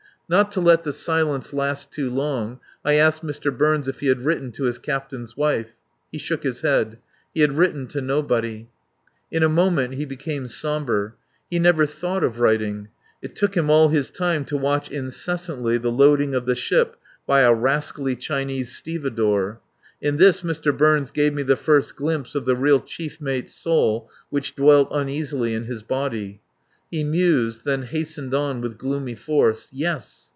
Not to let the silence last too long I asked Mr. Burns if he had written to his captain's wife. He shook his head. He had written to nobody. In a moment he became sombre. He never thought of writing. It took him all his time to watch incessantly the loading of the ship by a rascally Chinese stevedore. In this Mr. Burns gave me the first glimpse of the real chief mate's soul which dwelt uneasily in his body. He mused, then hastened on with gloomy force. "Yes!